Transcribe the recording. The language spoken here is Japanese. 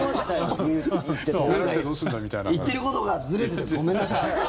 言ってることがずれててごめんなさい。